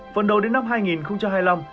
phần đầu đến năm hai nghìn hai mươi năm